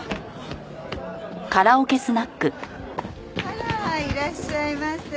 あらいらっしゃいませ。